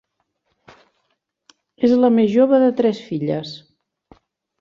És la més jove de tres filles.